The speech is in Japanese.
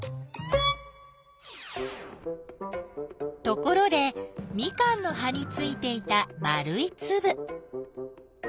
ところでミカンの葉についていた丸いつぶ。